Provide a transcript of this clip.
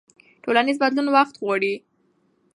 ټولنیز بدلون وخت غواړي.